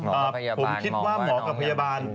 ผมคิดว่าหมอกับพยาบาล